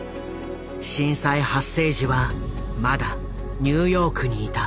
震災発生時はまだニューヨークにいた。